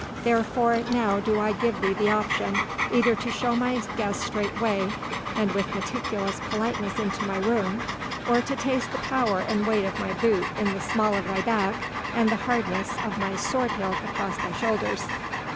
Therefore now do I give thee the option, either to show my guests straightway and with meticulous politeness into my room, or to taste the power and weight of my boot in the small of thy back and the hardness of my sword hilt across thy shoulders."